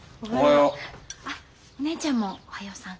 あお姉ちゃんもおはようさん。